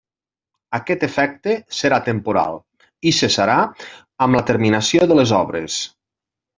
Aquest efecte serà temporal, i cessarà amb la terminació de les obres.